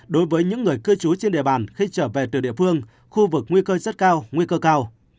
đối với những người cư trú trên địa bàn khi trở về từ địa phương khu vực nguy cơ rất cao nguy cơ cao